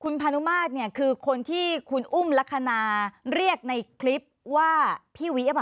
คุณพานุมาตรเนี่ยคือคนที่คุณอุ้มลักษณะเรียกในคลิปว่าพี่เวียบอ่ะ